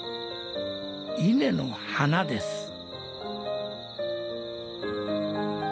稲の花です。